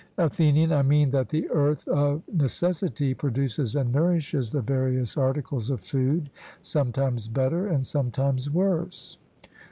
ATHENIAN: I mean that the earth of necessity produces and nourishes the various articles of food, sometimes better and sometimes worse.